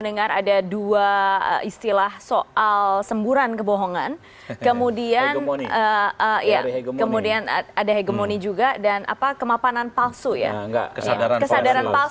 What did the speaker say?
mendengar ada dua istilah soal semburan kebohongan kemudian ada hegemoni juga dan kemapanan palsu ya